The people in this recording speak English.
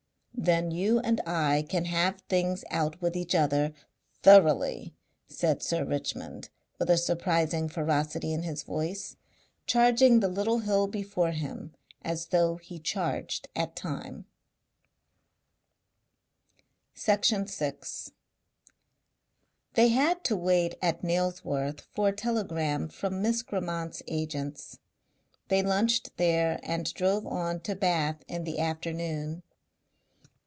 "Then you and I can have things out with each other THOROUGHLY," said Sir Richmond, with a surprising ferocity in his voice, charging the little hill before him as though he charged at Time. Section 6 They had to wait at Nailsworth for a telegram from Mr. Grammont's agents; they lunched there and drove on to Bath in the afternoon.